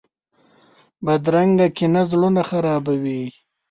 بدرنګه کینه زړونه خرابوي